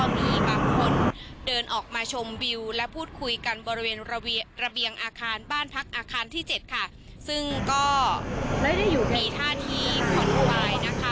มีบางคนเดินออกมาชมและพูดคุยกันบริเวณระเบียงอาคารบ้านพักที่๗และมีท่าทีพอดภาย